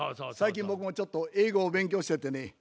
最近僕もちょっと英語を勉強しててね。